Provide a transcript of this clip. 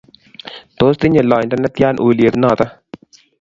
Tos tinye loindo netya uliet noto